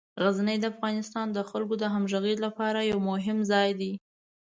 غزني د افغانستان د خلکو د همغږۍ لپاره یو مهم ځای دی.